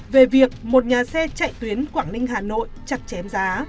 về việc một nhà xe chạy tuyến quảng ninh hà nội chặt chém giá